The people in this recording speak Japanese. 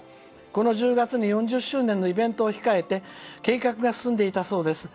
この１０月に４０周年のイベントを控えて計画が進んでいたそうです。